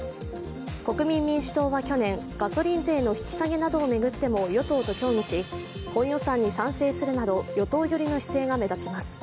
国民民主党は去年、ガソリン税の引き下げなどを巡っても与党と協議し本予算に賛成するなど与党寄りの姿勢が目立ちます。